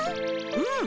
うん！